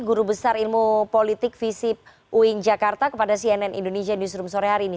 guru besar ilmu politik visip uin jakarta kepada cnn indonesia newsroom sore hari ini